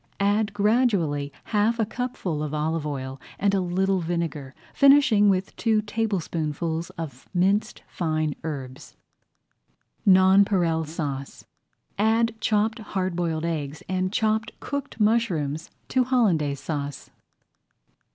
Add gradually half a cupful of olive oil and a little vinegar, finishing with two tablespoonfuls of minced fine herbs. NONPAREIL SAUCE Add chopped hard boiled eggs and chopped cooked mushrooms to Hollandaise Sauce.